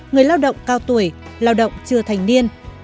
người lao động cao tuổi lao động chưa thành niên